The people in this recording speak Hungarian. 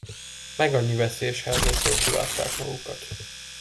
Megannyi veszélyes helyzetből kivágták magukat.